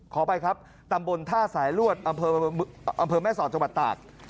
ขออภัยครับตำบลท่าสายลวดอำเภอแม่สอดจังหวัดตาก